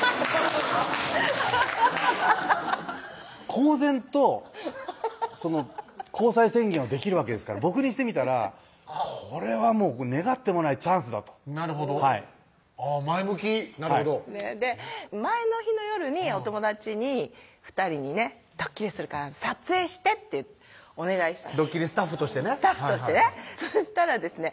公然と交際宣言をできるわけですから僕にしてみたらこれはもう願ってもないチャンスだとなるほどあぁ前向きなるほど前の日の夜にお友達に２人にね「ドッキリするから撮影して」ってお願いしてドッキリスタッフとしてねスタッフとしてねそしたらですね